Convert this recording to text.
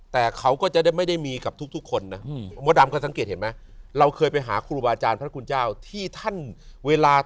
แต่เขาก็จะไม่ได้มีกับทุกคนนะ